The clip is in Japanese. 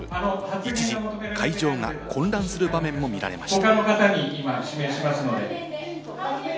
一時会場が混乱する場面も見られました。